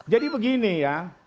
jadi begini ya